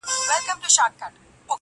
• دا یو اختر به راته دوه اختره سینه..